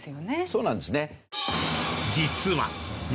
そうなんですね。